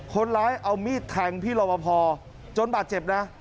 คนร้ายเอามีดแทงพี่รอบพอจนบาดเจ็บนะ